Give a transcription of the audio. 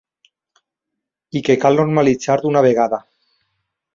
I que cal normalitzar d’una vegada.